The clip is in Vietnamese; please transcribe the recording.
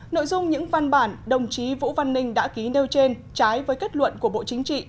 nội dung những văn bản đồng chí vũ văn ninh đã ký nêu trên trái với kết luận của bộ chính trị